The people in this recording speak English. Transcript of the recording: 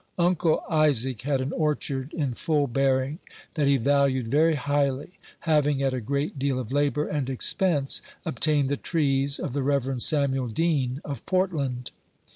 Uncle Isaac had an orchard in full bearing, that he valued very highly, having, at a great deal of labor and expense, obtained the trees of the Rev. Samuel Deane, of Portland.